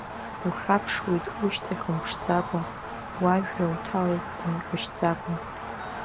Ухьаԥшуеит ушьҭахь умԥшӡакәа, уажәра уҭалеит умҟьышьӡакәа.